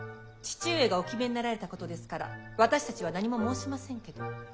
父上がお決めになられたことですから私たちは何も申しませんけど。